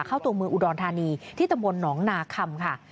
เข้าตัวเมืองอุดรธานีที่ตำบลหนองนาคำค่ะ